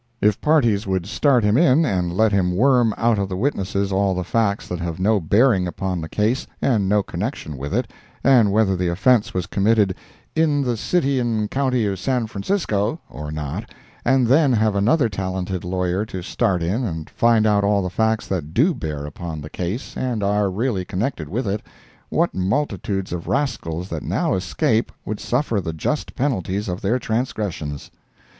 If parties would start him in and let him worm out of the witnesses all the facts that have no bearing upon the case, and no connection with it, and whether the offence was committed "In the City'n County San Francisco" or not, and then have another talented lawyer to start in and find out all the facts that do bear upon the case and are really connected with it, what multitudes of rascals that now escape would suffer the just penalties of their transgressions.